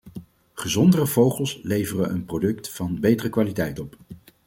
Gezondere vogels leveren een product van betere kwaliteit op.